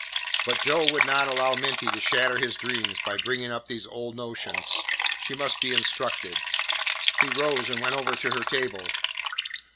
But Joe would not allow Minty to shatter his dreams by bringing up these old notions. She must be instructed. He rose and went over to her table.